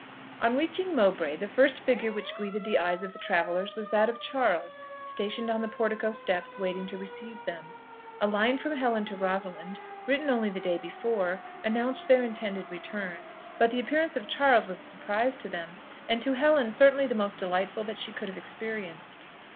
On reaching Mowbray, the first figure which greeted the eyes of the travellers was that of Charles, stationed on the portico steps waiting to receive them. A line from Helen to Rosalind, written only the day before, announced their intended return; but the appearance of Charles was a surprise to them, and to Helen certainly the most delightful that she could have experienced.